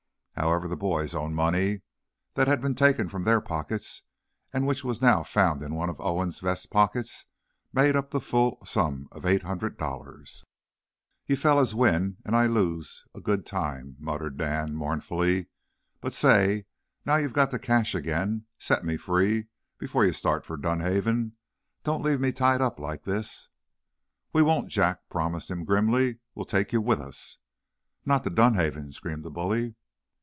However, the boys' own money, that had been taken from their pockets, and which was now found in one of Owen's vest pockets, made up the full sum of eight hundred dollars. "You fellers win, and I lose a good time," muttered Dan, mournfully. "But say, now you've got the cash again, set me free before ye start for Dunhaven. Don't leave me tied up like this." "We won't," Jack promised him, grimly. "We'll take you with us." "Not to Dunhaven!" screamed the bully.